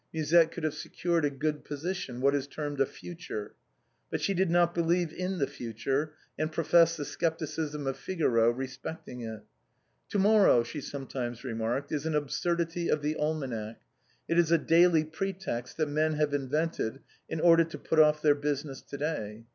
Musette could have secured a good position, what is termed a future, but she did not believe in the future and professed the skepti cism of Figaro respecting it. " To morrow," she sometimes remarked, " is an absurdity of the almanac, it is a daily pretext that men have invented in order to put off their business to day.